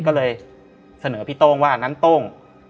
ก็เลยเสนอพี่โต้งว่านั้นโต้ง